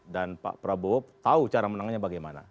dan pak prabowo tahu cara menangnya bagaimana